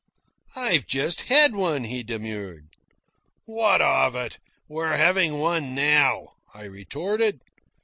"I've just had one," he demurred. "What of it? we're having one now," I retorted.